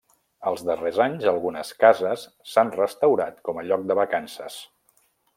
Als darrers anys algunes cases s'han restaurat com a lloc de vacances.